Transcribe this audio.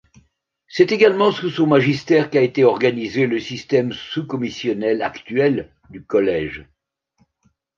C'est également sous son magistère qu'a été organisé le système sous-commissionnel actuel du Collège.